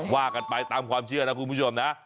ว่ากันไปตามความเชื่อนะคุณผู้ชมนะ